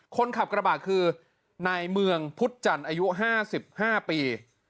คนขับกระบะคือนายเมืองพุทธจันทร์อายุ๕๕ปี